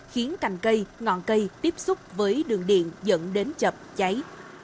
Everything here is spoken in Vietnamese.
khiến cành cây ngọn cây tiếp xúc với đường điện dẫn đến chập cháy